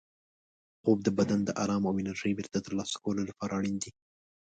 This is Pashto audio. خوب د بدن د ارام او انرژۍ بېرته ترلاسه کولو لپاره اړین دی.